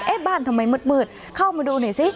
บ้านทำไมมืดเข้ามาดูหน่อยซิ